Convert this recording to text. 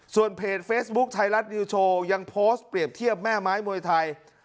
ส่วนเพจเฟซบุ๊คไทยรัฐนิวโชว์ยังโพสต์เปรียบเทียบแม่ไม้มวยไทย